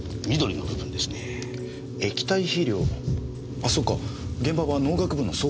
ああそうか現場は農学部の倉庫でした。